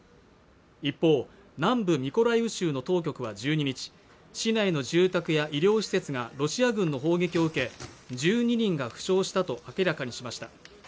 一方南部ミコライウ州の当局は１２日市内の住宅や医療施設がロシア軍の砲撃を受け１２人が負傷したと明らかにしました